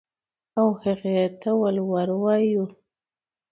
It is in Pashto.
او هغې ته ولور وايو.